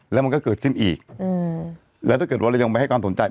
แล้วมันก็เกิดขึ้นอีกแล้วถ้าเกิดว่าเรายังไม่ให้ความสนใจ